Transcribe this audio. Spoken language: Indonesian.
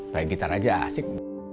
baik gitar aja asik